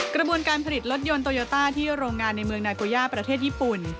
กระบวนการผลิตรถยนต์โตโยต้าที่โรงงานในเมืองนายโกย่าประเทศญี่ปุ่น